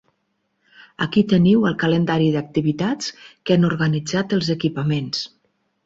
Aquí teniu el calendari d'activitats que han organitzat els equipaments.